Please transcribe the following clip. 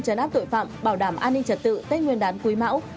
trấn áp tội phạm bảo đảm an ninh trật tự tết nguyên đán quý mẫu